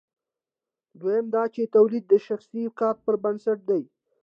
دویم دا چې تولید د شخصي کار پر بنسټ دی.